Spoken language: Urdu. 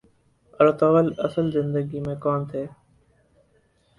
ارطغرل اصل زندگی میں کون تھے